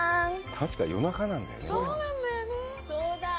たしか夜中なんだよね。